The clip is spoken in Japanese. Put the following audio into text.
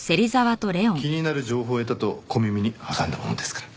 気になる情報を得たと小耳に挟んだものですから。